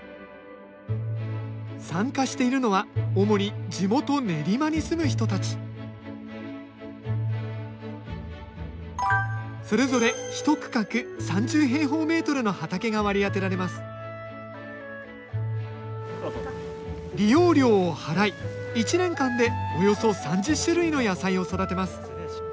参加しているのは主に地元練馬に住む人たちそれぞれ１区画３０平方メートルの畑が割り当てられます利用料を払い１年間でおよそ３０種類の野菜を育てます。